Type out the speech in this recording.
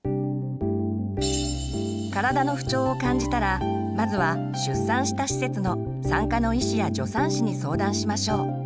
体の不調を感じたらまずは出産した施設の産科の医師や助産師に相談しましょう。